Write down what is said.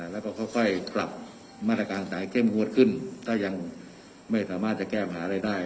แล้วก็ค่อยค่อยกลับมาตรการจ่ายเข้มหัวขึ้นถ้ายังไม่สามารถจะแก้มาหาได้ได้